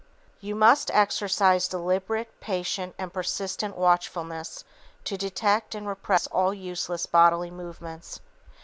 You must exercise deliberate, patient and persistent watchfulness to detect and repress all useless bodily movements.